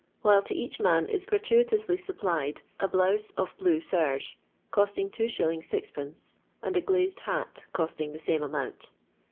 while to each man is gratuitously supplied a blouse of blue serge, costing 2s. 6d., and a ghized hat, costing the sane amount.